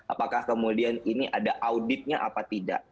apakah kemudian ini ada auditnya apa tidak